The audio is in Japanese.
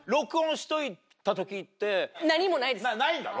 ないんだろ？